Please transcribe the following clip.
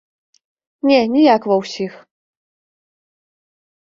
Не, не як ва ўсіх.